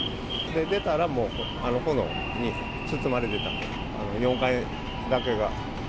出たらもう炎に包まれてたんで、４階だけが。